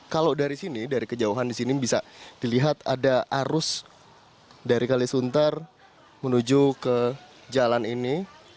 kalau dari sini dari kejauhan di sini bisa dilihat ada arus dari kalisuntar menuju ke jalan ini